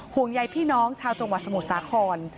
ห่วงใยพี่น้องชาวจังหวัดสมุทรสาคร